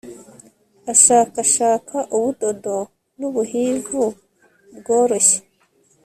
ashakashaka ubudodo n'ubuhivu bworoshye